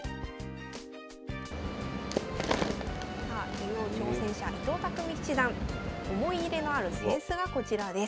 竜王挑戦者伊藤匠七段思い入れのある扇子がこちらです。